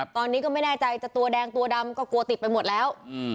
ตอนนี้ก็ไม่แน่ใจจะตัวแดงตัวดำก็กลัวติดไปหมดแล้ว